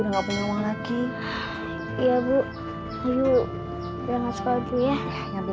semua gak tau